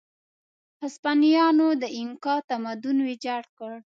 هسپانویانو د اینکا تمدن ویجاړ کړ.